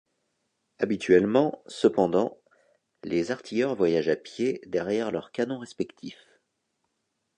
Habituellement, cependant, les artilleurs voyagent à pied derrière leur canon respectif.